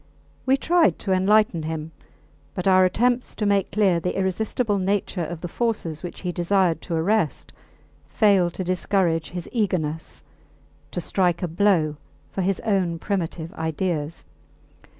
We tried to enlighten him, but our attempts to make clear the irresistible nature of the forces which he desired to arrest failed to discourage his eagerness to strike a blow for his own primitive ideas.